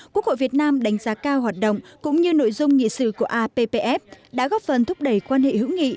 quốc hội việt nam đánh giá cao hoạt động cũng như nội dung nghị sự của appf đã góp phần thúc đẩy quan hệ hữu nghị